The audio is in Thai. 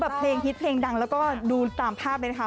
เพลงฮิตเพลงดังแล้วก็ดูตามภาพเลยนะคะ